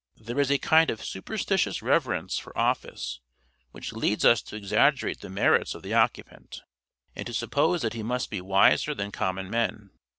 There is a kind of superstitious reverence for office which leads us to exaggerate the merits of the occupant, and to suppose that he must be wiser than common men.